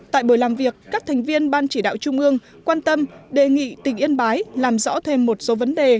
tại buổi làm việc các thành viên ban chỉ đạo trung ương quan tâm đề nghị tỉnh yên bái làm rõ thêm một số vấn đề